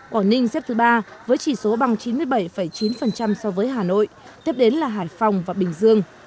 quảng ninh xếp thứ ba với chỉ số bằng chín mươi bảy chín so với hà nội tiếp đến là hải phòng và bình dương